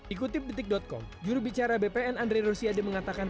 ikuti betik com jurubicara bpn andri rosiade mengatakan